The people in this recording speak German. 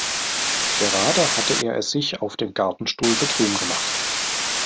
Gerade hatte er es sich auf dem Gartenstuhl bequem gemacht.